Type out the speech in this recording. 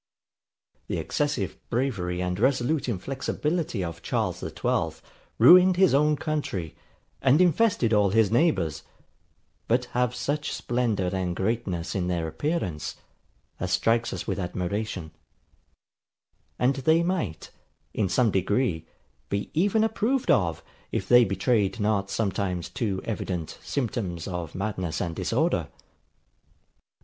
The excessive bravery and resolute inflexibility of Charles the XIIth ruined his own country, and infested all his neighbours; but have such splendour and greatness in their appearance, as strikes us with admiration; and they might, in some degree, be even approved of, if they betrayed not sometimes too evident symptoms of madness and disorder.